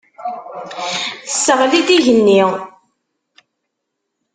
Tesseɣli-d igenni.